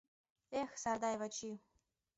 Эх, Сардай Вачи!..